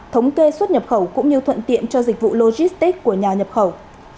thống kê suất nhập khẩu cũng như thuận tiện cho dịch vụ logistic của nhà nhập khẩu